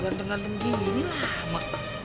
beganteng ganteng gini lama